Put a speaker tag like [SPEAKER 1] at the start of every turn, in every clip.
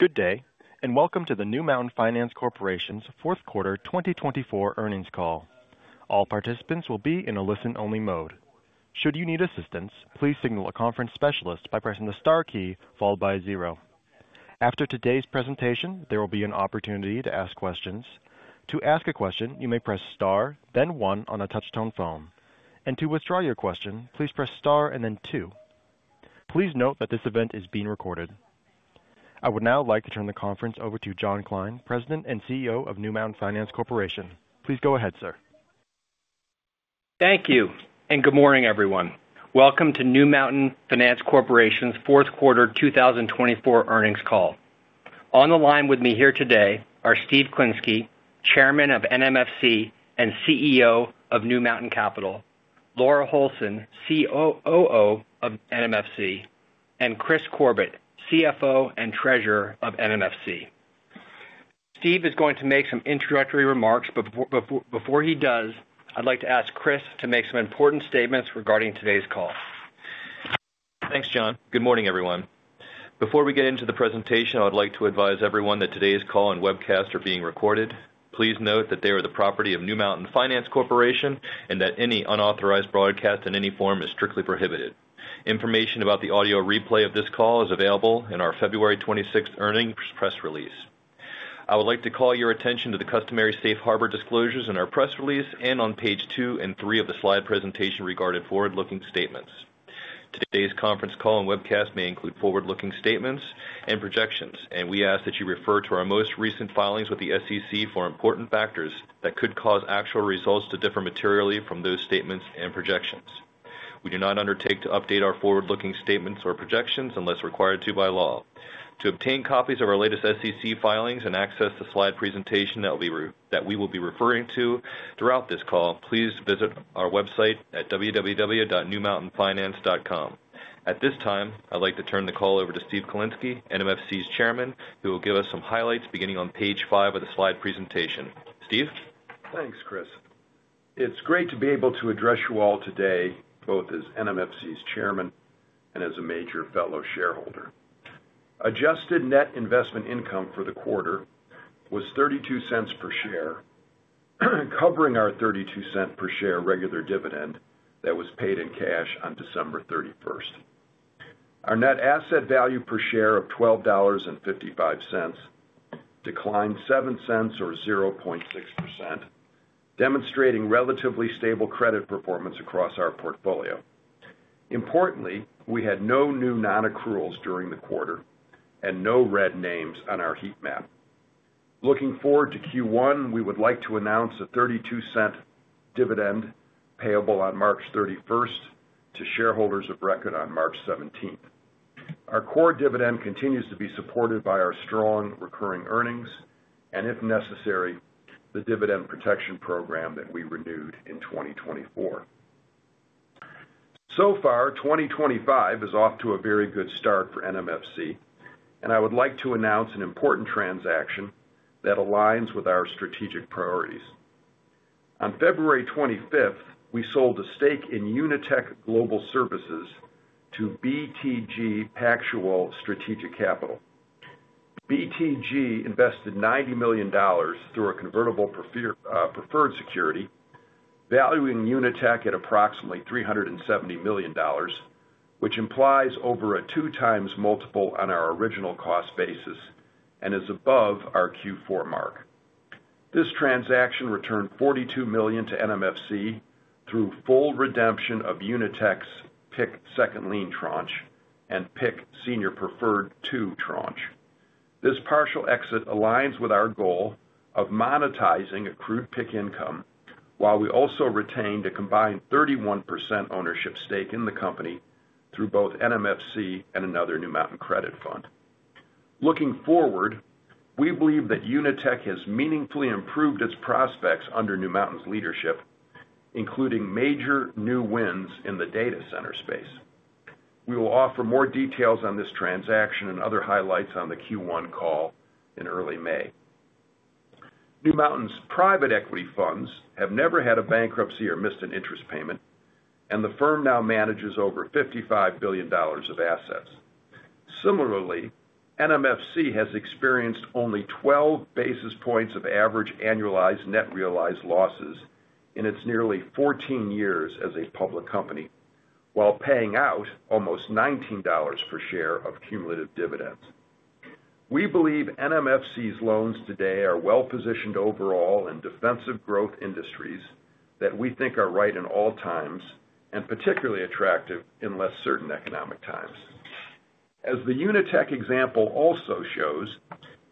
[SPEAKER 1] All participants will be in a listen-only mode. Should you need assistance, please signal a conference specialist by pressing the star key followed by zero. After today's presentation, there will be an opportunity to ask questions. To ask a question, you may press star, then one on a touch-tone phone. To withdraw your question, please press star and then two. Please note that this event is being recorded. I would now like to turn the conference over to John Kline, President and CEO of New Mountain Finance Corporation. Please go ahead, sir.
[SPEAKER 2] Thank you, and good morning, everyone. Welcome to New Mountain Finance Corporation's Fourth Quarter 2024 Earnings Call. On the line with me here today are Steve Klinsky, Chairman of NMFC and CEO of New Mountain Capital, Laura Holson, COO of NMFC, and Kris Corbett, CFO and Treasurer of NMFC. Steve is going to make some introductory remarks, but before he does, I'd like to ask Kris to make some important statements regarding today's call.
[SPEAKER 3] Thanks, John. Good morning, everyone. Before we get into the presentation, I would like to advise everyone that today's call and webcast are being recorded. Please note that they are the property of New Mountain Finance Corporation, and that any unauthorized broadcast in any form is strictly prohibited. Information about the audio replay of this call is available in our February 26th earnings press release. I would like to call your attention to the customary safe harbor disclosures in our press release, and on page two and three of the slide presentation regarding forward-looking statements. Today's conference call and webcast may include forward-looking statements and projections, and we ask that you refer to our most recent filings with the SEC for important factors that could cause actual results to differ materially from those statements and projections. We do not undertake to update our forward-looking statements or projections unless required to by law. To obtain copies of our latest SEC filings and access the slide presentation that we will be referring to throughout this call, please visit our website at www.newmountainfinance.com. At this time, I'd like to turn the call over to Steve Klinsky, NMFC's Chairman, who will give us some highlights beginning on page five of the slide presentation. Steve?
[SPEAKER 4] Thanks, Kris. It's great to be able to address you all today, both as NMFC's Chairman and as a major fellow shareholder. Adjusted net investment income for the quarter was $0.32 per share, covering our $0.32 per share regular dividend that was paid in cash on December 31st. Our net asset value per share of $12.55 declined $0.07 or 0.6%, demonstrating relatively stable credit performance across our portfolio. Importantly, we had no new non-accruals during the quarter and no red names on our heat map. Looking forward to Q1, we would like to announce a $0.32 dividend payable on March 31st to shareholders of record on March 17th. Our core dividend continues to be supported by our strong recurring earnings, and if necessary, the Dividend Protection Program that we renewed in 2024. So far, 2025 is off to a very good start for NMFC, and I would like to announce an important transaction that aligns with our strategic priorities. On February 25th, we sold a stake in UniTek Global Services to BTG Pactual Strategic Capital. BTG invested $90 million through a convertible preferred security, valuing UniTek at approximately $370 million, which implies over a 2x multiple on our original cost basis and is above our Q4 mark. This transaction returned $42 million to NMFC, through full redemption of UniTek's PIK Second Lien tranche and PIK Senior Preferred Two tranche. This partial exit aligns with our goal of monetizing accrued PIK income, while we also retain a combined 31% ownership stake in the company through both NMFC and another New Mountain Credit Fund. Looking forward, we believe that UniTek has meaningfully improved its prospects under New Mountain's leadership, including major new wins in the data center space. We will offer more details on this transaction, and other highlights on the Q1 call in early May. New Mountain's private equity funds have never had a bankruptcy or missed an interest payment, and the firm now manages over $55 billion of assets. Similarly, NMFC has experienced only 12 basis points of average annualized net realized losses in its nearly 14 years as a public company, while paying out almost $19 per share of cumulative dividends. We believe NMFC's loans today are well-positioned overall in defensive growth industries that we think are right in all times, and particularly attractive in less certain economic times. As the UniTek example also shows,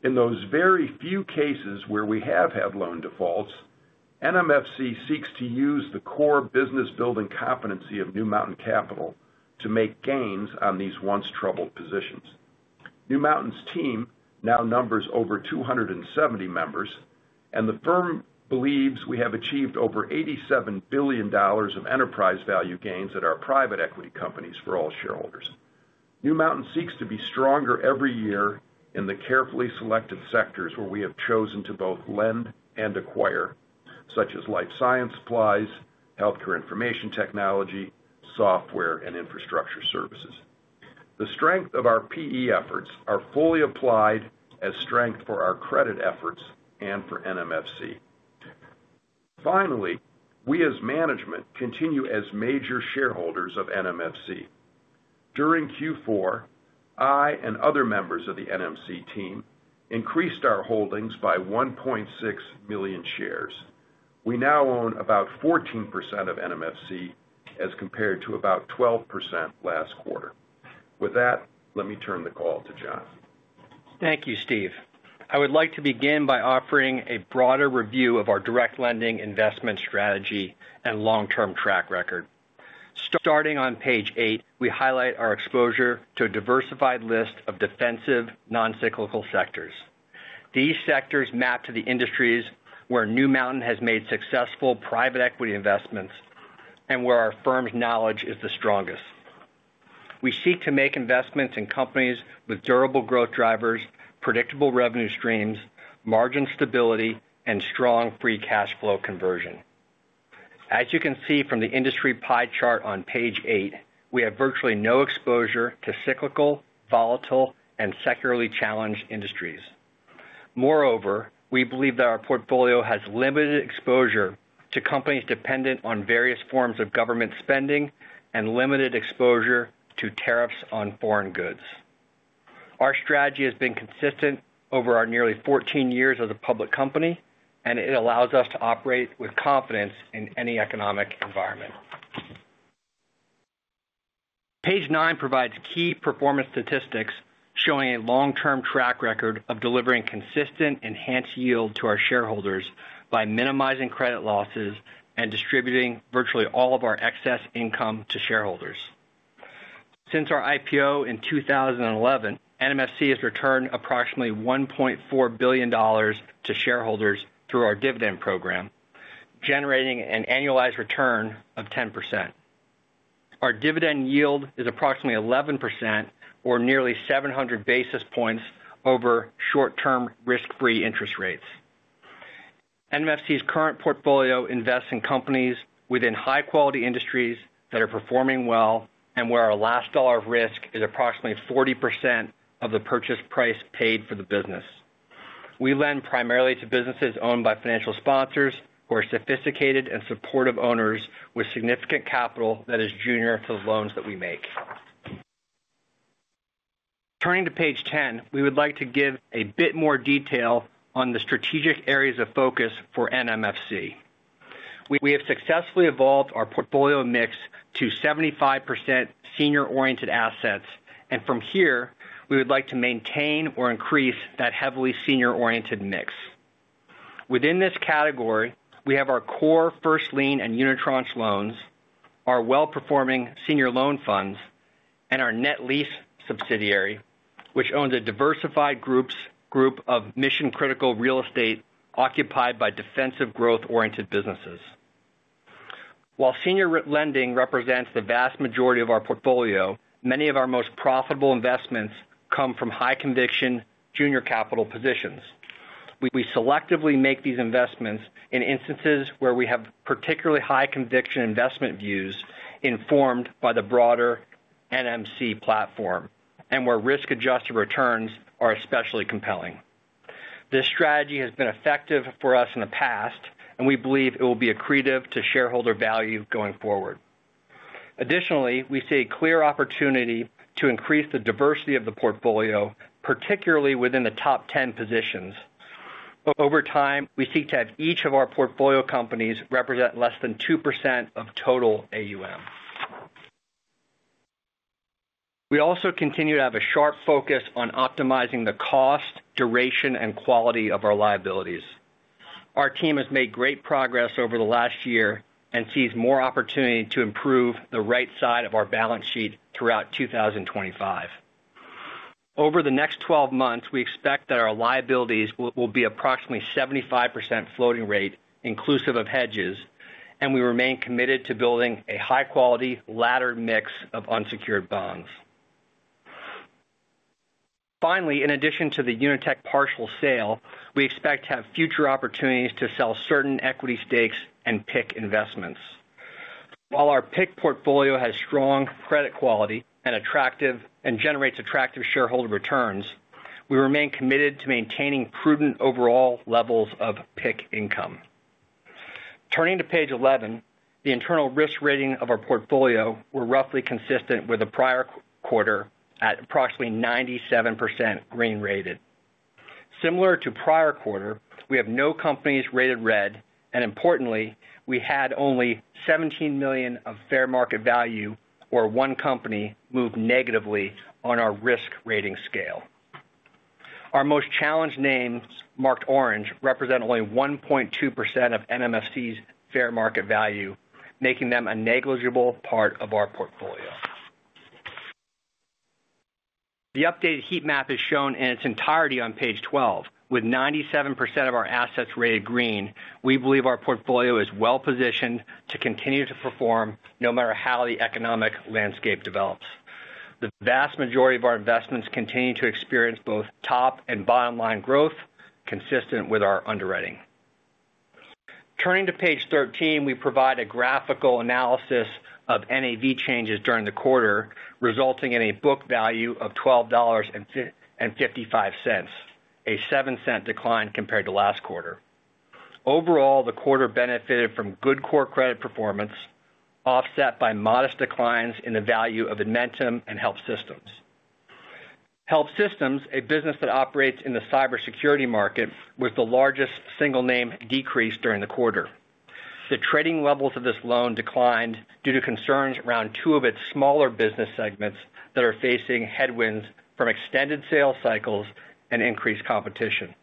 [SPEAKER 4] in those very few cases where we have had loan defaults, NMFC seeks to use the core business-building competency of New Mountain Capital to make gains on these once-troubled positions. New Mountain's team now numbers over 270 members, and the firm believes we have achieved over $87 billion of enterprise value gains at our private equity companies for all shareholders. New Mountain seeks to be stronger every year in the carefully selected sectors where we have chosen to both lend and acquire, such as life science supplies, healthcare information technology, software, and infrastructure services. The strength of our PE efforts are fully applied as strength for our credit efforts and for NMFC. Finally, we as management continue as major shareholders of NMFC. During Q4, I and other members of the NMFC team increased our holdings by 1.6 million shares. We now own about 14% of NMFC, as compared to about 12% last quarter. With that, let me turn the call to John.
[SPEAKER 2] Thank you, Steve. I would like to begin by offering a broader review of our direct lending investment strategy and long-term track record. Starting on page eight, we highlight our exposure to a diversified list of defensive non-cyclical sectors. These sectors map to the industries where New Mountain has made successful private equity investments, and where our firm's knowledge is the strongest. We seek to make investments in companies with durable growth drivers, predictable revenue streams, margin stability, and strong free cash flow conversion. As you can see from the industry pie chart on page eight, we have virtually no exposure to cyclical, volatile, and cyclically challenged industries. Moreover, we believe that our portfolio has limited exposure to companies dependent on various forms of government spending, and limited exposure to tariffs on foreign goods. Our strategy has been consistent over our nearly 14 years as a public company, and it allows us to operate with confidence in any economic environment. Page nine provides key performance statistics, showing a long-term track record of delivering consistent enhanced yield to our shareholders by minimizing credit losses and distributing virtually all of our excess income to shareholders. Since our IPO in 2011, NMFC has returned approximately $1.4 billion to shareholders through our dividend program, generating an annualized return of 10%. Our dividend yield is approximately 11%, or nearly 700 basis points over short-term risk-free interest rates. NMFC's current portfolio invests in companies within high-quality industries that are performing well, and where our last dollar of risk is approximately 40% of the purchase price paid for the business. We lend primarily to businesses owned by financial sponsors who are sophisticated, and supportive owners with significant capital that is junior to the loans that we make. Turning to page 10, we would like to give a bit more detail on the strategic areas of focus for NMFC. We have successfully evolved our portfolio mix to 75% senior-oriented assets, and from here, we would like to maintain or increase that heavily senior-oriented mix. Within this category, we have our core first lien and unitranche loans, our well-performing senior loan funds and our net lease subsidiary, which owns a diversified group of mission-critical real estate occupied by defensive growth-oriented businesses. While senior lending represents the vast majority of our portfolio, many of our most profitable investments come from high-conviction junior capital positions. We selectively make these investments in instances where we have particularly high-conviction investment views informed by the broader NMFC platform, and where risk-adjusted returns are especially compelling. This strategy has been effective for us in the past, and we believe it will be accretive to shareholder value going forward. Additionally, we see a clear opportunity to increase the diversity of the portfolio, particularly within the top 10 positions. Over time, we seek to have each of our portfolio companies represent less than 2% of total AUM. We also continue to have a sharp focus on optimizing the cost, duration, and quality of our liabilities. Our team has made great progress over the last year, and sees more opportunity to improve the right side of our balance sheet throughout 2025. Over the next 12 months, we expect that our liabilities will be approximately 75% floating rate, inclusive of hedges, and we remain committed to building a high-quality laddered mix of unsecured bonds. Finally, in addition to the UniTek partial sale, we expect to have future opportunities to sell certain equity stakes and PIK investments. While our PIK portfolio has strong credit quality and generates attractive shareholder returns, we remain committed to maintaining prudent overall levels of PIK income. Turning to page 11, the internal risk rating of our portfolio was roughly consistent with the prior quarter at approximately 97% green-rated. Similar to prior quarter, we have no companies rated red, and importantly, we had only $17 million of fair market value or one company moved negatively on our risk rating scale. Our most challenged names, marked orange, represent only 1.2% of NMFC's fair market value, making them a negligible part of our portfolio. The updated heat map is shown in its entirety on page 12. With 97% of our assets rated green, we believe our portfolio is well-positioned to continue to perform no matter how the economic landscape develops. The vast majority of our investments continue to experience both top and bottom-line growth consistent with our underwriting. Turning to page 13, we provide a graphical analysis of NAV changes during the quarter, resulting in a book value of $12.55, a $0.07 decline compared to last quarter. Overall, the quarter benefited from good core credit performance, offset by modest declines in the value of momentum and HelpSystems. HelpSystems, a business that operates in the cybersecurity market, was the largest single-name decrease during the quarter. The trading levels of this loan declined due to concerns around two of its smaller business segments that are facing headwinds from extended sales cycles and increased competition.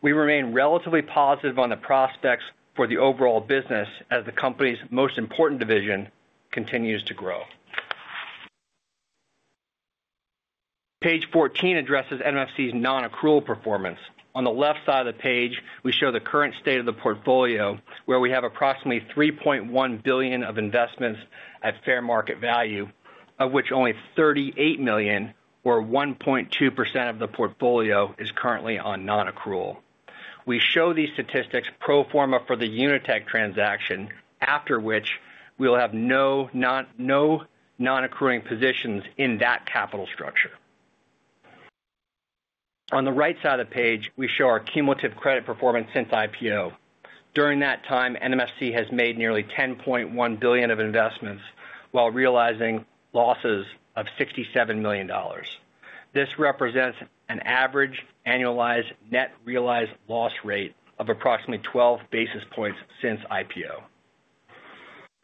[SPEAKER 2] We remain relatively positive on the prospects for the overall business, as the company's most important division continues to grow. Page 14 addresses NMFC's non-accrual performance. On the left side of the page, we show the current state of the portfolio, where we have approximately $3.1 billion of investments at fair market value, of which only $38 million or 1.2% of the portfolio is currently on non-accrual. We show these statistics pro forma for the UniTek transaction, after which we will have no non-accruing positions in that capital structure. On the right side of the page, we show our cumulative credit performance since IPO. During that time, NMFC has made nearly $10.1 billion of investments, while realizing losses of $67 million. This represents an average annualized net realized loss rate of approximately 12 basis points since IPO.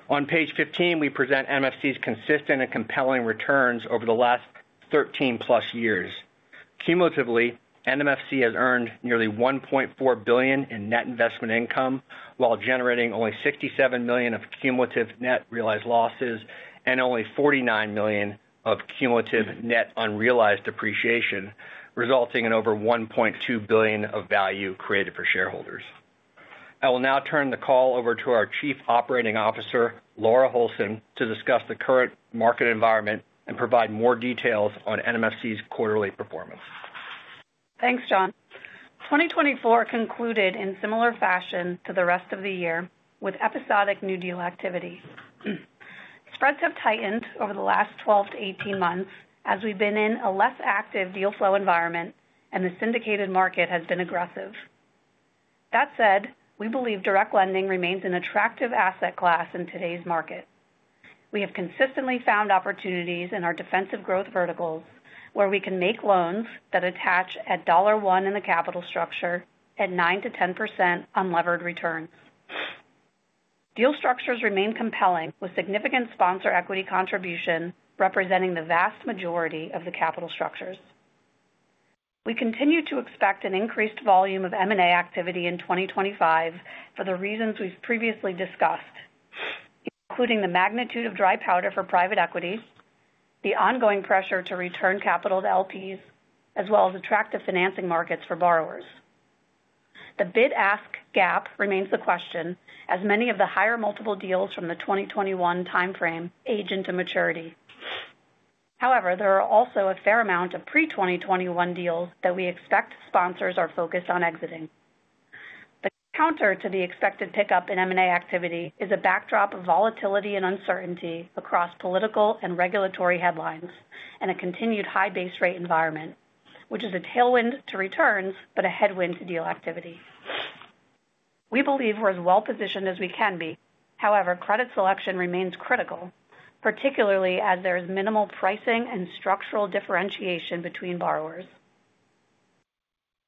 [SPEAKER 2] On page 15, we present NMFC's consistent and compelling returns over the last 13+ years. Cumulatively, NMFC has earned nearly $1.4 billion in net investment income, while generating only $67 million of cumulative net realized losses and only $49 million of cumulative net unrealized depreciation, resulting in over $1.2 billion of value created for shareholders. I will now turn the call over to our Chief Operating Officer, Laura Holson, to discuss the current market environment and provide more details on NMFC's quarterly performance.
[SPEAKER 5] Thanks, John. 2024 concluded in similar fashion to the rest of the year with episodic new deal activity. Spreads have tightened over the last 12-18 months, as we've been in a less active deal flow environment and the syndicated market has been aggressive. That said, we believe direct lending remains an attractive asset class in today's market. We have consistently found opportunities in our defensive growth verticals, where we can make loans that attach at $1 in the capital structure at 9%-10% unlevered returns. Deal structures remain compelling, with significant sponsor equity contribution representing the vast majority of the capital structures. We continue to expect an increased volume of M&A activity in 2025 for the reasons we've previously discussed, including the magnitude of dry powder for private equity, the ongoing pressure to return capital to LPs, as well as attractive financing markets for borrowers. The bid-ask gap remains the question, as many of the higher multiple deals from the 2021 timeframe age into maturity. However, there are also a fair amount of pre-2021 deals that we expect sponsors are focused on exiting. The counter to the expected pickup in M&A activity is a backdrop of volatility, and uncertainty across political and regulatory headlines and a continued high base rate environment, which is a tailwind to returns, but a headwind to deal activity. We believe we're as well-positioned as we can be. However, credit selection remains critical, particularly as there is minimal pricing and structural differentiation between borrowers.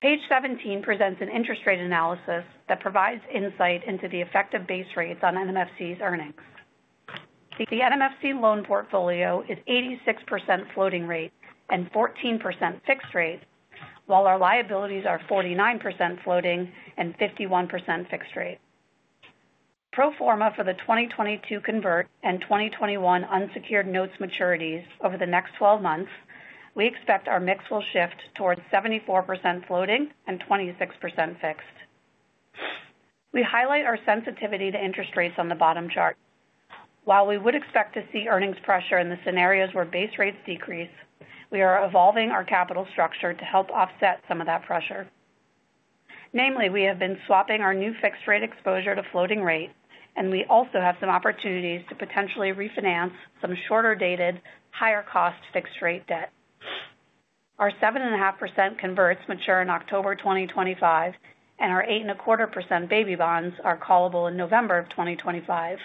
[SPEAKER 5] Page 17 presents an interest rate analysis that provides insight into the effective base rates on NMFC's earnings. The NMFC loan portfolio is 86% floating rate and 14% fixed rate, while our liabilities are 49% floating and 51% fixed rate. Pro forma for the 2022 convert and 2021 unsecured notes maturities over the next 12 months, we expect our mix will shift towards 74% floating and 26% fixed. We highlight our sensitivity to interest rates on the bottom chart. While we would expect to see earnings pressure in the scenarios where base rates decrease, we are evolving our capital structure to help offset some of that pressure. Namely, we have been swapping our new fixed rate exposure to floating rate, and we also have some opportunities to potentially refinance some shorter-dated, higher-cost fixed rate debt. Our 7.5% converts mature in October 2025, and our 8.25% baby bonds are callable in November of 2025,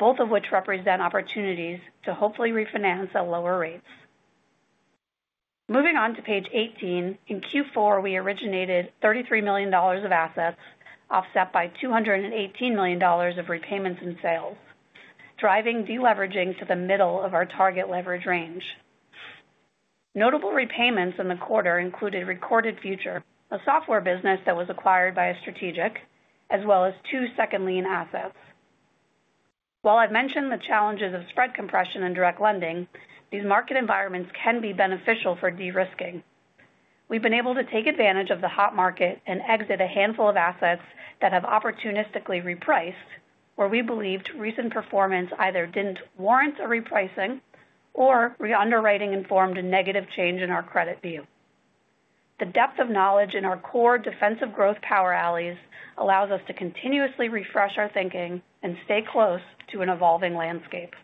[SPEAKER 5] both of which represent opportunities to hopefully refinance at lower rates. Moving on to page 18, in Q4, we originated $33 million of assets, offset by $218 million of repayments and sales, driving deleveraging to the middle of our target leverage range. Notable repayments in the quarter included Recorded Future, a software business that was acquired by a strategic, as well as two second lien assets. While I've mentioned the challenges of spread compression and direct lending, these market environments can be beneficial for de-risking. We've been able to take advantage of the hot market and exit a handful of assets that have opportunistically repriced, where we believed recent performance either didn't warrant a repricing or re-underwriting informed a negative change in our credit view. The depth of knowledge in our core defensive growth power alleys allows us to continuously refresh our thinking, and stay close to an evolving landscape.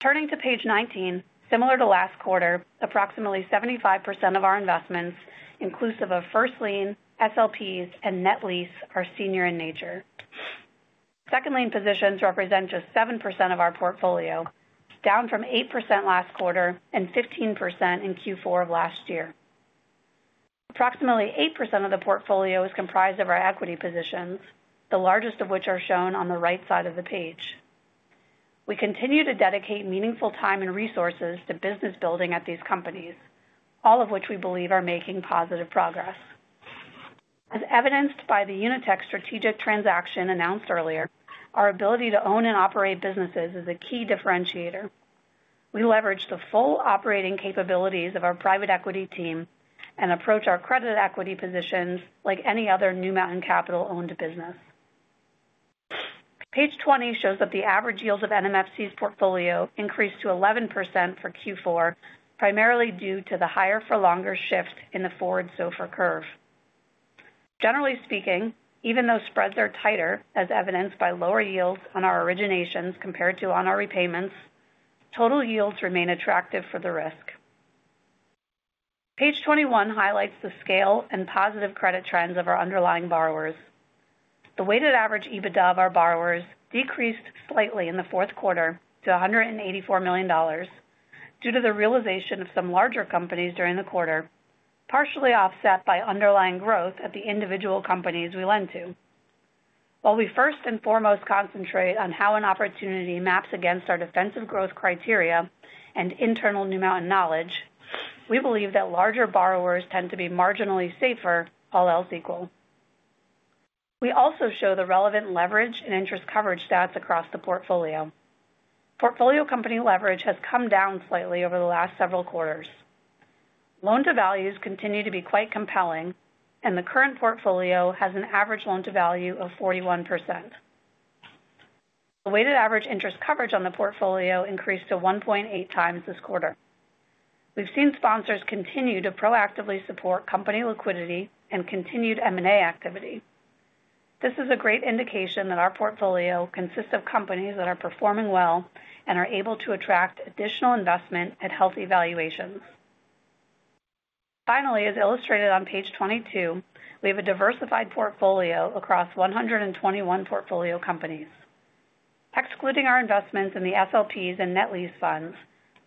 [SPEAKER 5] Turning to page 19, similar to last quarter, approximately 75% of our investments, inclusive of first lien, SLPs, and net lease, are senior in nature. Second lien positions represent just 7% of our portfolio, down from 8% last quarter and 15% in Q4 of last year. Approximately 8% of the portfolio is comprised of our equity positions, the largest of which are shown on the right side of the page. We continue to dedicate meaningful time and resources to business building at these companies, all of which we believe are making positive progress. As evidenced by the UniTek strategic transaction announced earlier, our ability to own and operate businesses is a key differentiator. We leverage the full operating capabilities of our private equity team, and approach our credit equity positions like any other New Mountain Capital-owned business. Page 20 shows that the average yields of NMFC's portfolio increased to 11% for Q4, primarily due to the higher-for-longer shift in the forward SOFR curve. Generally speaking, even though spreads are tighter, as evidenced by lower yields on our originations compared to on our repayments, total yields remain attractive for the risk. Page 21 highlights the scale and positive credit trends of our underlying borrowers. The weighted average EBITDA of our borrowers decreased slightly in the fourth quarter to $184 million, due to the realization of some larger companies during the quarter, partially offset by underlying growth at the individual companies we lend to. While we first and foremost concentrate on how an opportunity maps against our defensive growth criteria and internal New Mountain knowledge, we believe that larger borrowers tend to be marginally safer, all else equal. We also show the relevant leverage and interest coverage stats across the portfolio. Portfolio company leverage has come down slightly over the last several quarters. Loan-to-values continue to be quite compelling, and the current portfolio has an average loan-to-value of 41%. The weighted average interest coverage on the portfolio increased to 1.8x this quarter. We've seen sponsors continue to proactively support company liquidity and continued M&A activity. This is a great indication that our portfolio consists of companies that are performing well, and are able to attract additional investment at healthy valuations. Finally, as illustrated on page 22, we have a diversified portfolio across 121 portfolio companies. Excluding our investments in the SLPs and net lease funds,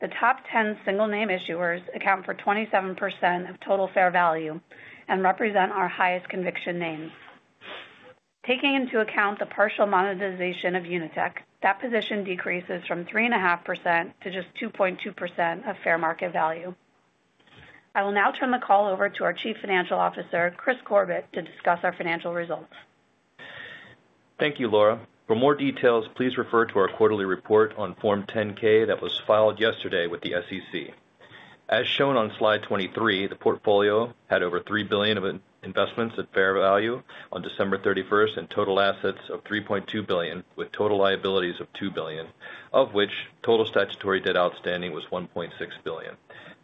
[SPEAKER 5] the top 10 single-name issuers account for 27% of total fair value and represent our highest conviction names. Taking into account the partial monetization of UniTek, that position decreases from 3.5% to just 2.2% of fair market value. I will now turn the call over to our Chief Financial Officer, Kris Corbett, to discuss our financial results.
[SPEAKER 3] Thank you, Laura. For more details, please refer to our quarterly report on Form 10-K that was filed yesterday with the SEC. As shown on slide 23, the portfolio had over $3 billion of investments at fair value on December 31st and total assets of $3.2 billion, with total liabilities of $2 billion, of which total statutory debt outstanding was $1.6 billion.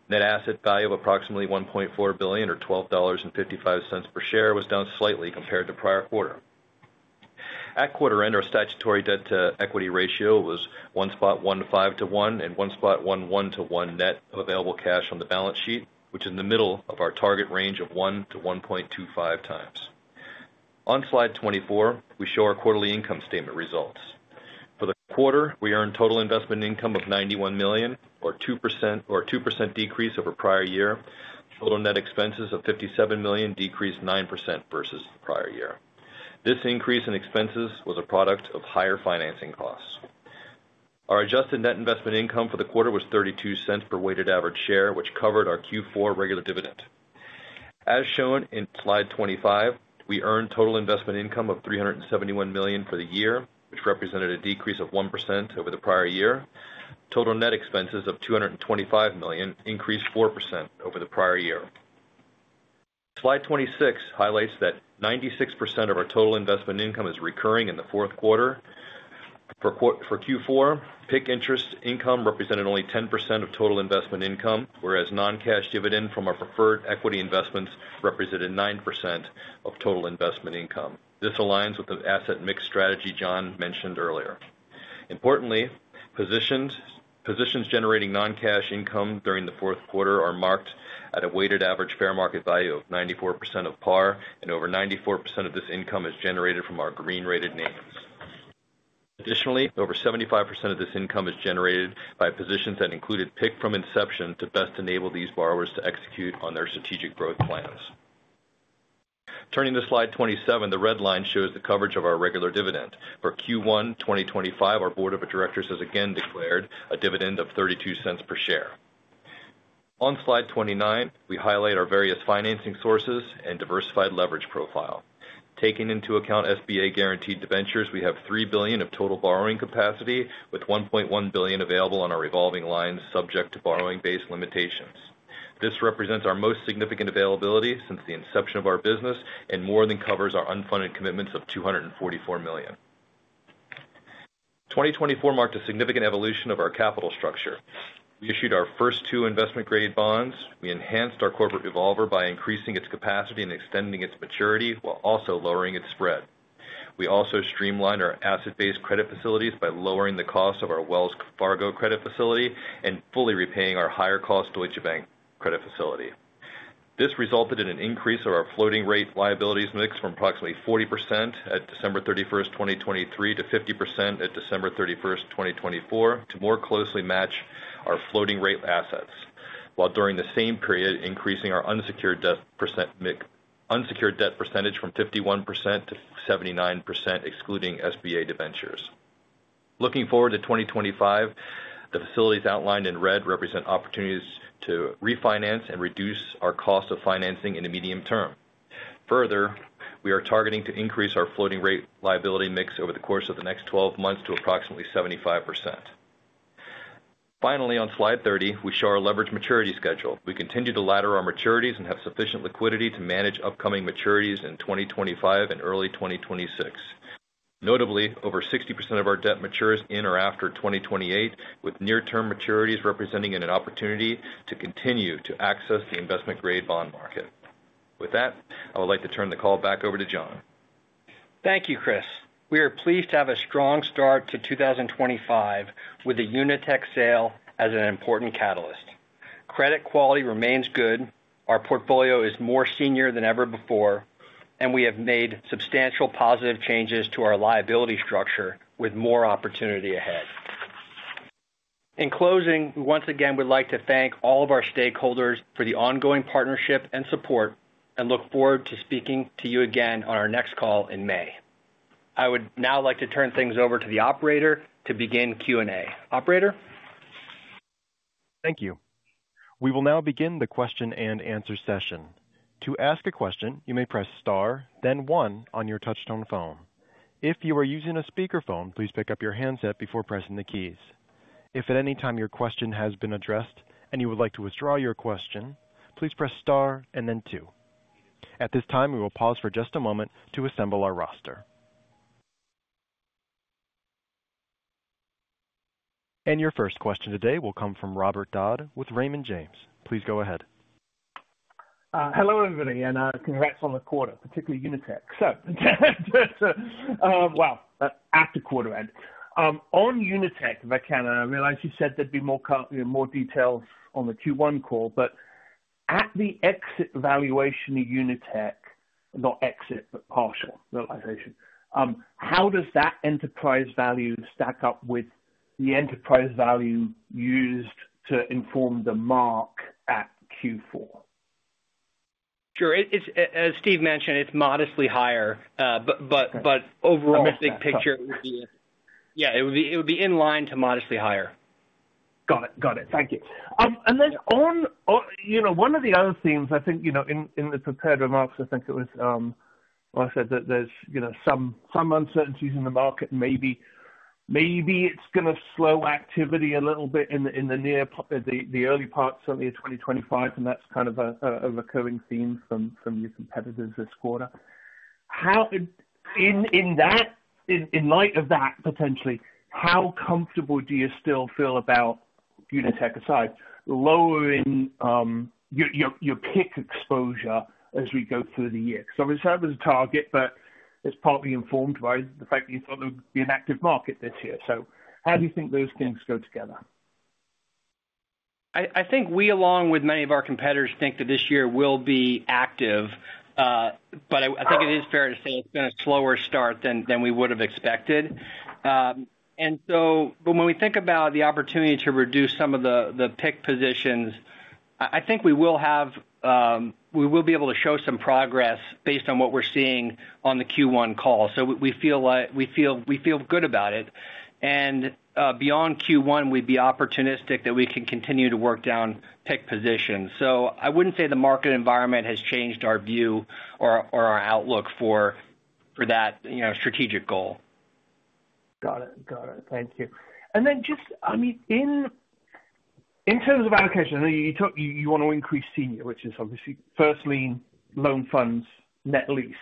[SPEAKER 3] Net asset value of approximately $1.4 billion, or $12.55 per share was down slightly compared to prior quarter. At quarter end, our statutory debt-to-equity ratio was 1.5 to 1 and 1.1 to 1 net of available cash on the balance sheet, which is in the middle of our target range of 1x-1.25x. On slide 24, we show our quarterly income statement results. For the quarter, we earned total investment income of $91 million or a 2% decrease over prior year. Total net expenses of $57 million decreased 9% versus the prior year. This increase in expenses was a product of higher financing costs. Our adjusted net investment income for the quarter was $0.32 per weighted average share, which covered our Q4 regular dividend. As shown in slide 25, we earned total investment income of $371 million for the year, which represented a decrease of 1% over the prior year. Total net expenses of $225 million increased 4% over the prior year. Slide 26 highlights that 96% of our total investment income is recurring in the fourth quarter. For Q4, PIK interest income represented only 10% of total investment income, whereas non-cash dividend from our preferred equity investments represented 9% of total investment income. This aligns with the asset mix strategy John mentioned earlier. Importantly, positions generating non-cash income during the fourth quarter are marked at a weighted average fair market value of 94% of par, and over 94% of this income is generated from our green-rated names. Additionally, over 75% of this income is generated by positions that included PIK from inception, to best enable these borrowers to execute on their strategic growth plans. Turning to slide 27, the red line shows the coverage of our regular dividend. For Q1 2025, our board of directors has again declared a dividend of $0.32 per share. On slide 29, we highlight our various financing sources and diversified leverage profile. Taking into account SBA guaranteed ventures, we have $3 billion of total borrowing capacity, with $1.1 billion available on our revolving lines subject to borrowing base limitations. This represents our most significant availability since the inception of our business, and more than covers our unfunded commitments of $244 million. 2024 marked a significant evolution of our capital structure. We issued our first two investment-grade bonds. We enhanced our corporate revolver by increasing its capacity and extending its maturity, while also lowering its spread. We also streamlined our asset-based credit facilities by lowering the cost of our Wells Fargo credit facility, and fully repaying our higher-cost Deutsche Bank credit facility. This resulted in an increase of our floating rate liabilities mix from approximately 40% at December 31st, 2023, to 50% at December 31st, 2024, to more closely match our floating rate assets, while during the same period increasing our unsecured debt percentage from 51% to 79%, excluding SBA debentures. Looking forward to 2025, the facilities outlined in red represent opportunities to refinance and reduce our cost of financing in the medium term. Further, we are targeting to increase our floating rate liability mix over the course of the next 12 months to approximately 75%. Finally, on slide 30, we show our leverage maturity schedule. We continue to ladder our maturities, and have sufficient liquidity to manage upcoming maturities in 2025 and early 2026. Notably, over 60% of our debt matures in or after 2028, with near-term maturities representing an opportunity to continue to access the investment-grade bond market. With that, I would like to turn the call back over to John.
[SPEAKER 2] Thank you, Kris. We are pleased to have a strong start to 2025, with the UniTek sale as an important catalyst. Credit quality remains good, our portfolio is more senior than ever before, and we have made substantial positive changes to our liability structure with more opportunity ahead. In closing, we once again would like to thank all of our stakeholders for the ongoing partnership and support, and look forward to speaking to you again on our next call in May. I would now like to turn things over to the operator to begin Q&A. Operator?
[SPEAKER 1] Thank you. We will now begin the question-and-answer session. To ask a question, you may press star, then one on your touch-tone phone. If you are using a speakerphone, please pick up your handset before pressing the keys. If at any time your question has been addressed and you would like to withdraw your question, please press star and then two. At this time, we will pause for just a moment to assemble our roster, and your first question today will come from Robert Dodd with Raymond James. Please go ahead.
[SPEAKER 6] Hello, everybody, and congrats on the quarter, particularly UniTek, wow, after quarter-end. On UniTek, I realize you said there'd be more details on the Q1 call. At the exit valuation of UniTek, not exit, but partial realization, how does that enterprise value stack up with the enterprise value used to inform the mark at Q4?
[SPEAKER 2] Sure. As Steve mentioned, it's modestly higher, but overall, the big picture would be in line to modestly higher.
[SPEAKER 6] Got it. Thank you. On one of the other themes I think in the prepared remarks, I think it said that there's some uncertainties in the market. Maybe it's going to slow activity a little bit in the early part certainly of 2025, and that's a recurring theme from your competitors this quarter. In light of that potentially, how comfortable do you still feel about UniTek aside lowering your PIK exposure as we go through the year? Obviously, that was a target, but it's partly informed by the fact that you thought there would be an active market this year. How do you think those things go together?
[SPEAKER 2] I think we, along with many of our competitors, think that this year will be active, but I think it is fair to say it's been a slower start than we would have expected. When we think about the opportunity to reduce some of the PIK positions, I think we will be able to show some progress based on what we're seeing on the Q1 call. We feel good about it. Beyond Q1, we'd be opportunistic that we can continue to work down PIK positions. I wouldn't say the market environment has changed our view or our outlook for that strategic goal.
[SPEAKER 6] Got it. Thank you. Just in terms of allocation, I know you want to increase senior, which is obviously first-lien, loan funds, net lease.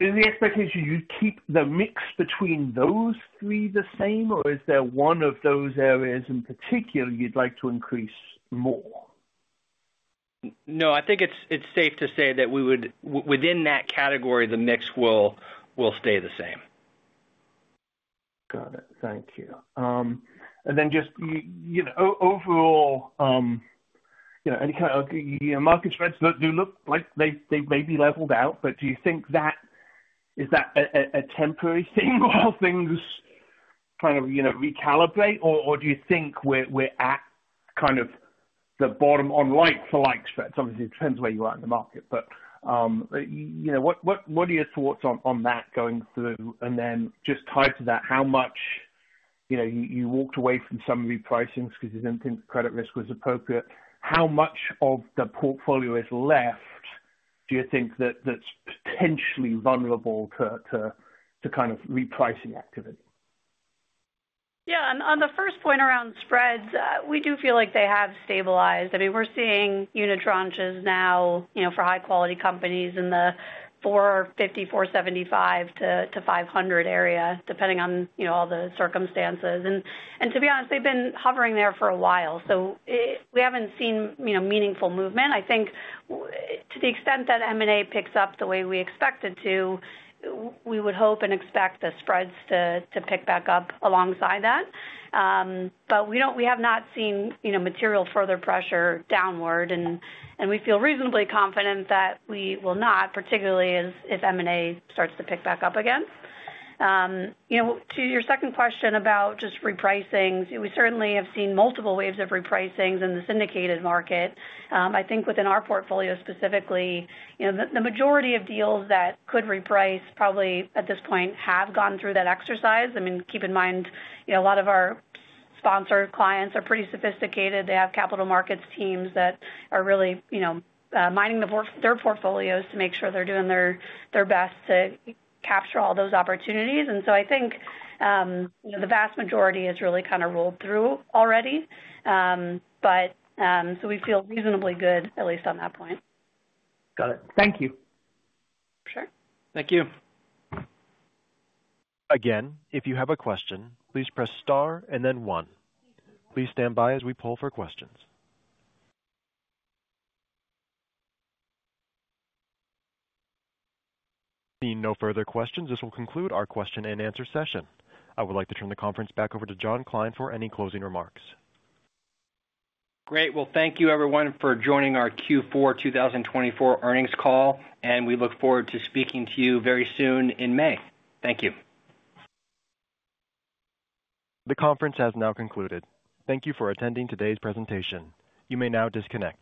[SPEAKER 6] Is the expectation you'd keep the mix between those three the same, or is there one of those areas in particular you'd like to increase more?
[SPEAKER 2] No, I think it's safe to say that within that category, the mix will stay the same.
[SPEAKER 6] Got it. Thank you. Just overall, kind of market spreads do look like they've maybe leveled out, but is that a temporary thing while things kind of recalibrate or do you think we're at kind of the bottom on like-for-like spreads? Obviously, it depends where you are in the market. What are your thoughts on that going through? Just tied to that, you walked away from some repricings because you didn't think the credit risk was appropriate, how much of the portfolio is left, do you think, that's potentially vulnerable to kind of repricing activity?
[SPEAKER 5] Yeah. On the first point around spreads, we do feel like they have stabilized. We're seeing unitranches now for high-quality companies in the 450, 475-500 area, depending on all the circumstances. To be honest, they've been hovering there for a while, so we haven't seen meaningful movement. I think to the extent that M&A picks up the way we expected to, we would hope and expect the spreads to pick back up alongside that. We have not seen material further pressure downward, and we feel reasonably confident that we will not, particularly if M&A starts to pick back up again. To your second question about just repricings, we certainly have seen multiple waves of repricings in the syndicated market. I think within our portfolio specifically, the majority of deals that could reprice probably at this point have gone through that exercise. Keep in mind, a lot of our sponsored clients are pretty sophisticated. They have capital markets teams that are really mining their portfolios, to make sure they're doing their best to capture all those opportunities. I think the vast majority has really kind of rolled through already, so we feel reasonably good, at least on that point.
[SPEAKER 6] Got it. Thank you.
[SPEAKER 5] Sure.
[SPEAKER 2] Thank you.
[SPEAKER 1] Again, if you have a question, please press star and then one. Please stand by as we pool for questions. Seeing no further questions, this will conclude our question-and-answer session. I would like to turn the conference back over to John Kline for any closing remarks.
[SPEAKER 2] Great. Thank you, everyone for joining our Q4 2024 earnings call, and we look forward to speaking to you very soon in May. Thank you.
[SPEAKER 1] The conference has now concluded. Thank you for attending today's presentation. You may now disconnect.